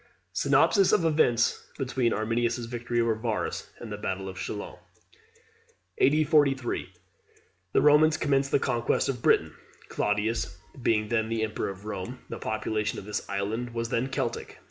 ] SYNOPSIS OF EVENTS BETWEEN ARMINIUS'S VICTORY OVER VARUS, AND THE BATTLE OF CHALONS. A.D. 43. The Romans commence the conquest of Britain, Claudius being then Emperor of Rome. The population of this island was then Celtic.